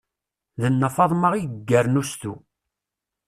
D nna Faḍma i yeggaren ustu.